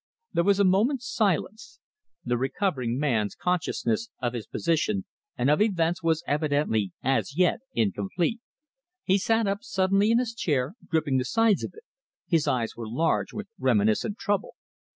There was a moment's silence. The recovering man's consciousness of his position and of events was evidently as yet incomplete. He sat up suddenly in his chair, gripping the sides of it. His eyes were large with reminiscent trouble.